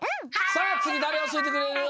さあつぎだれおしえてくれる？